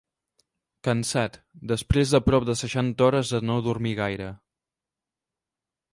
Cansat, després de prop de seixanta hores de no dormir gaire